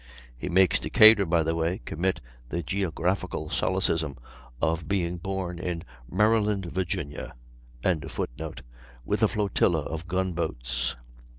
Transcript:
He makes Decatur, by the way, commit the geographical solecism of being born in "Maryland, Virginia."] with a flotilla of gun boats.